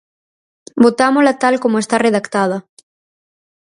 Votámola tal como está redactada.